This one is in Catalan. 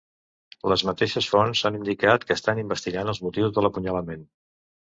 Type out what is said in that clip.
Les mateixes fonts han indicat que estan investigant els motius de l’apunyalament.